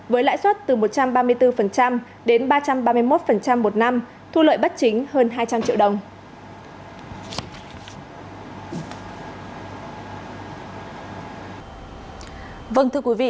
với lãi suất từ một trăm ba mươi bốn đến ba trăm ba mươi một một năm thu lợi bất chính hơn hai trăm linh triệu đồng